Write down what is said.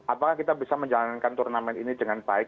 apakah kita bisa menjalankan turnamen ini dengan baik